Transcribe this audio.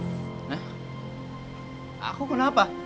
hah aku kenapa